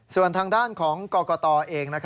ส่วนทางด้านของกรกตเอง